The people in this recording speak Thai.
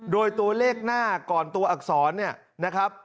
โดยตัวเลขหน้าก่อนตัวอักษรเนี่ยนะครับ